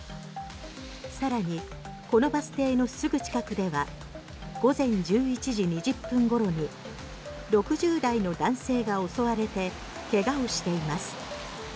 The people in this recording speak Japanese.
更にこのバス停のすぐ近くでは午前１１時２０分ごろに６０代の男性が襲われて怪我をしています。